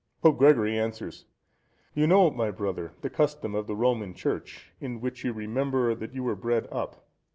(124) Pope Gregory answers.—You know, my brother, the custom of the Roman Church in which you remember that you were bred up.